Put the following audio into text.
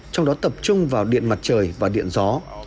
trong đó tập trung vào điện mặt trời và điện gió